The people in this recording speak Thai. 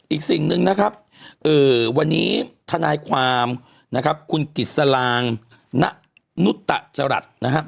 อีกสิ่งหนึ่งนะครับวันนี้ทนายความนะครับคุณกิจสลางณนุตจรัสนะครับ